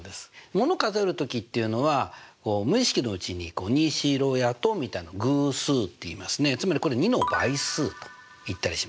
もの数える時っていうのは無意識のうちに２４６８１０みたいな偶数っていいますねつまりこれ２の倍数といったりします。